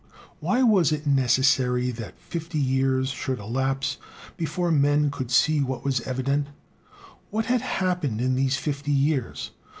Why was it necessary that fifty years should elapse before men could see what was evident? What had happened in these fifty years?